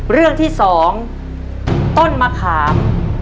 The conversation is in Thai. เรื่องที่๒ต้นมะขาม